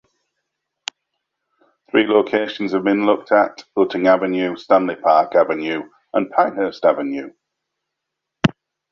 Three locations have been looked at; Utting Avenue, Stanley Park Avenue and Pinehurst Avenue.